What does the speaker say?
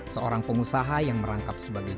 seorang pengusaha yang merangkap sebagai